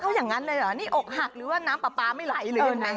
เขาอย่างงั้นเลยหรอนี่อกหักหรือว่าน้ำปลาไม่ไหลเลยนะคะ